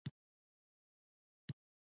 د بخارۍ پاکوالی باید هر وخت یقیني شي.